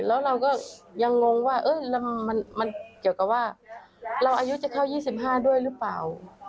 แล้วเราก็ยังงงว่ามันเกี่ยวกับว่าเราอายุจะเข้า๒๕ด้วยหรือเปล่า